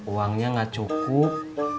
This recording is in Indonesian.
uangnya gak cukup